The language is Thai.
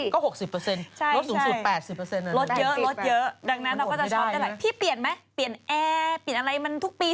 ก็๖๐ลดสูงสุด๘๐อันนั้น